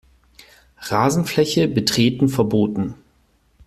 Rasenfläche betreten verboten.